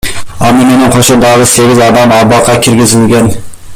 Аны менен кошо дагы сегиз адам абакка киргизилген.